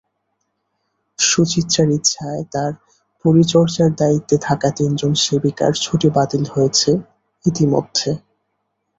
সুচিত্রার ইচ্ছায় তাঁর পরিচর্যার দায়িত্বে থাকা তিনজন সেবিকার ছুটি বাতিল হয়েছে ইতিমধ্যে।